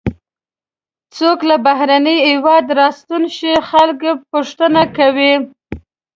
څوک له بهرني هېواده راستون شي خلک پوښتنې کوي.